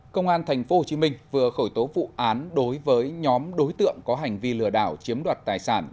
công an thành phố hồ chí minh vừa khởi tố vụ án đối với nhóm đối tượng có hành vi lừa đảo chiếm đoạt tài sản